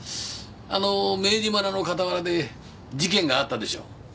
あの明治村の傍らで事件があったでしょう。